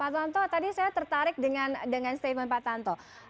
pak tanto tadi saya tertarik dengan statement pak tanto